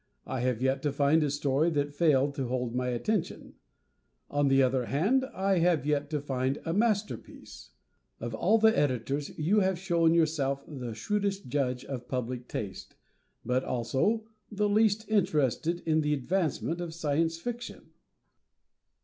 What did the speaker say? I have yet to find a story that failed to hold my attention; on the other hand, I have yet to find a masterpiece. Of all the Editors, you have shown yourself the shrewdest judge of public taste, but also the least interested in the advancement of Science Fiction.